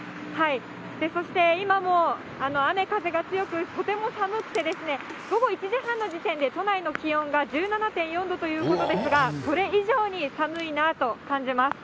そして今も雨風が強く、とても寒くて、午後１時半の時点で都内の気温が１７．４度ということですが、それ以上に寒いなと感じます。